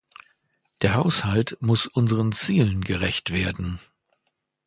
Der Haushalt muss unseren Zielen gerecht werden.